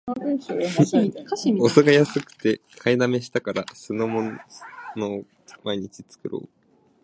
お酢が安くて買いだめしたから、酢の物を毎日作ろう